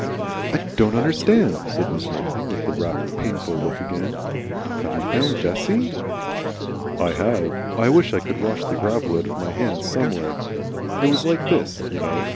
"I don't understand," said Mrs. Milton, with that rapt, painful look again. "Have you found Jessie?" "I have. I wish I could wash the gravel out of my hands somewhere. It was like this, you know.